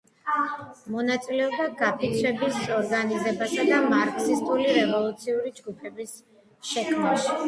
მონაწილეობდა გაფიცვების ორგანიზებასა და მარქსისტული რევოლუციური ჯგუფების შექმნაში.